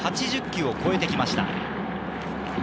８０球を超えてきました。